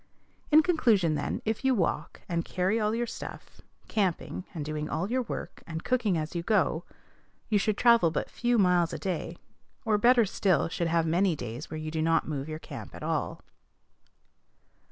In conclusion, then, if you walk, and carry all your stuff, camping, and doing all your work, and cooking as you go, you should travel but few miles a day, or, better still, should have many days when you do not move your camp at all.